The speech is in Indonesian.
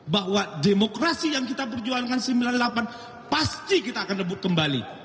bahwa demokrasi yang kita perjuangkan sembilan puluh delapan pasti kita akan nebut kembali